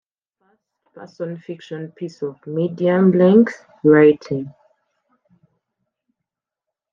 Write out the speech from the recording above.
This is a first-person fiction piece of medium-length writing.